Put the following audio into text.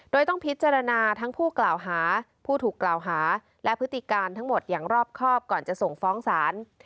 โดยต้องพิจารณาทั้งผู้กล่าวหาผู้ถูกกล่าวหาและพฤติการทั้งหมดอย่างรอบครอบก่อนจะส่งฟ้องศาล